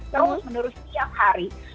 terus menurut siap hari